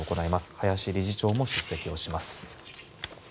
林理事長も出席をします。